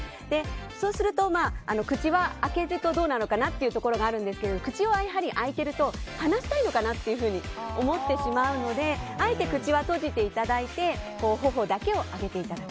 そうすると口は開けているとどうなのかなというところですが口はやはり開いていると話したいのかなと思ってしまうのであえて口は閉じていただいて頬だけを上げていただく。